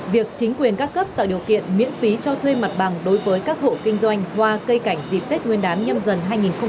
việc chính quyền các cấp tạo điều kiện miễn phí cho thuê mặt bằng đối với các hộ kinh doanh hoa cây cảnh dịp tết nguyên đán nhâm dần hai nghìn hai mươi bốn